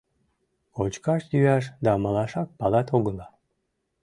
Кочкаш-йӱаш да малашак палат огыла.